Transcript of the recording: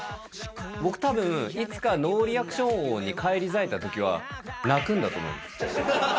僕たぶん、いつかノーリアクション王に返り咲いたときは、泣くんだと思います。